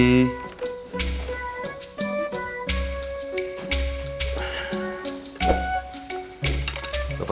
gak usah yas